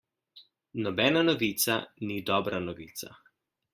Nobena novica ni dobra novica.